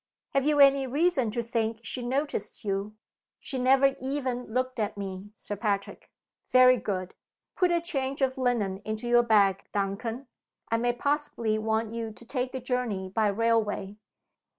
"Have you any reason to think she noticed you?" "She never even looked at me, Sir Patrick." "Very good. Put a change of linen into your bag, Duncan I may possibly want you to take a journey by railway.